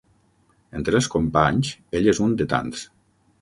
Entre els companys ell és un de tants.